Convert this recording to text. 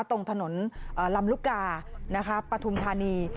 ตรงถนนลำลุกาปฐุมธานี